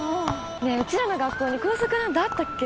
ねえうちらの学校に校則なんてあったっけ？